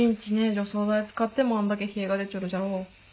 除草剤を使ってもあんだけヒエが出ちょるじゃろ。